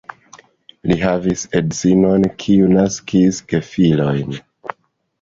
Li havis edzinon, kiu naskis gefilojn.